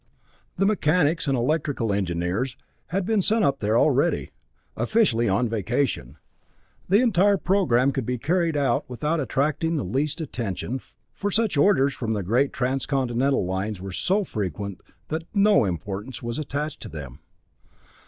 The mechanics and electrical engineers had been sent up there already officially on vacation. The entire program could be carried out without attracting the least attention, for such orders from the great Transcontinental lines were so frequent that no importance was attached to them.